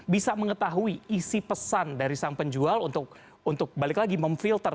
bisa mengetahui isi pesan dari sang penjual untuk balik lagi memfilter